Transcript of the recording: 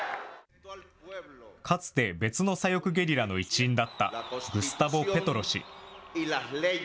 かつて別の左翼ゲリラの一員だった、グスタボ・ペトロ氏。